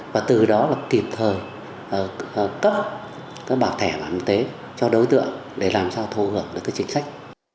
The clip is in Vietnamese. và từ đó là kịp thời cấp các bảo thẻ bản tế cho đối tượng để làm sao thu hưởng được các chính sách